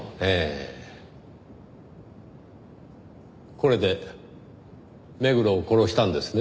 これで目黒を殺したんですね？